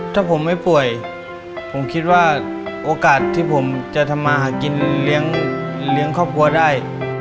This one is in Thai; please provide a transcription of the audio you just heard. ถ้าผมไม่ป่วยผมคิดว่าโอกาสที่ผมจะทำมาหากินเลี้ยงครอบครัวได้